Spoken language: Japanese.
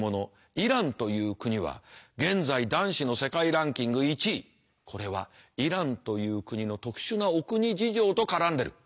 イランという国は現在男子の世界ランキング１位これはイランという国の特殊なお国事情と絡んでる。